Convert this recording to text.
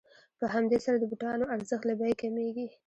په همدې سره د بوټانو ارزښت له بیې کمېږي